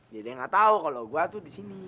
jadi gak tau kalo gua tuh disini